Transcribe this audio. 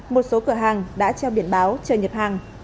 một số cửa hàng đã treo biển báo chờ nhập hàng